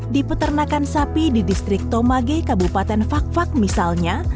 di peternakan sapi di distrik tomage kabupaten fak fak misalnya